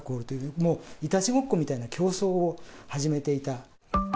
もういたちごっこみたいな競争を始めていた。